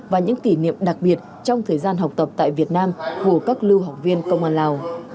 và những kỷ niệm đặc biệt trong thời gian học tập tại việt nam của các lưu học viên công an lào